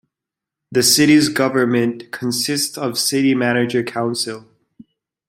The city's government consists of city manager-council.